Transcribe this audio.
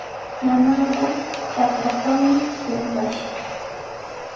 Mamaaqa trakratrawmi qunqashqa.